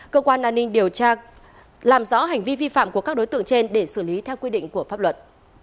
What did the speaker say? cơ quan an ninh điều tra làm rõ hành vi vi phạm của các đối tượng trên để xử lý theo quy định của pháp luật